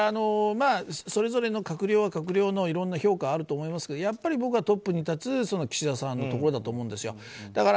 それぞれの閣僚は閣僚のいろんな評価があると思いますがやっぱり僕はトップに立つ岸田さんのところだと思うんです。